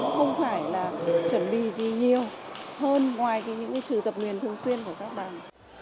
không phải là chuẩn bị gì nhiều hơn ngoài những sự tập nguyên thường xuyên của các bàn